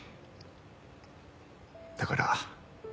だから。